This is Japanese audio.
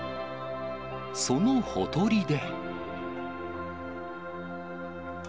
そのほとりで。